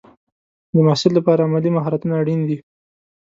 د محصل لپاره عملي مهارتونه اړین دي.